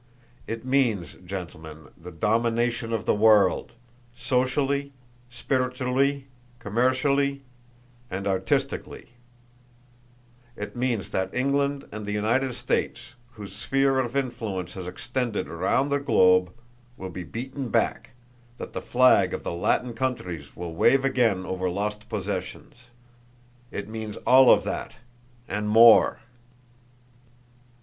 It means, gentlemen, the domination of the world socially, spiritually, commercially and artistically; it means that England and the United States, whose sphere of influence has extended around the globe, will be beaten back, that the flag of the Latin countries will wave again over lost possessions. It means all of that, and more."